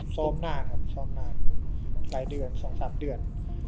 ซ้อมน่าก่อนครับซ้อมน่าก่อน